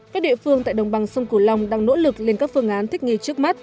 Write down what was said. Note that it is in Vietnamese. các địa phương tại đồng bằng sông cửu long đang nỗ lực lên các phương án thích nghi trước mắt